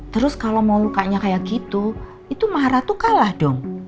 terus kalau mau lukanya kayak gitu itu marah tuh kalah dong